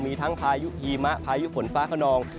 มีทั้งพายุหิมะพายุฝนฟ้าขนอง